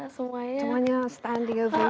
semuanya stand in your position